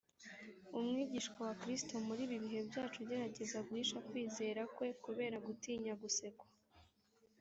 umwigishwa wa kristo muri ibi bihe byacu ugerageza guhisha kwizera kwe kubera gutinya gusekwa,